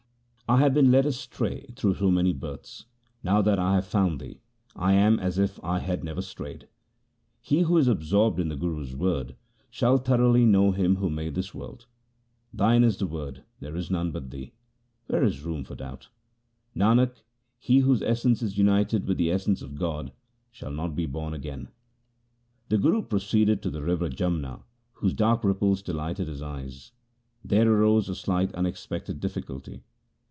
I have been led astray through so many births ; now that I have found Thee / am as if I had never strayed. He who is absorbed in the Guru's word, shall thoroughly know Him who made this world. Thine is the Word, there is none but Thee ; where is room for doubt ? Nanak, he whose essence is united with the essence of God shall not be born again. 2 The Guru proceeded to the river Jamna, whose dark ripples delighted his eyes. There arose a slight unexpected difficulty.